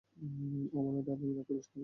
ও Mona darling, রাগ করিস না দোস্ত!